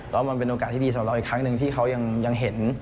แล้วมันเป็นโอกาสที่ดีสำหรับเราอีกครั้งหนึ่งที่เขายังเห็น